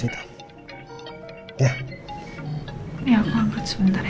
ini aku angkat sebentar ya